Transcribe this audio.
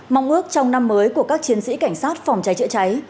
mong ước trong năm mới của các chiến sĩ cảnh sát phòng cháy chữa cháy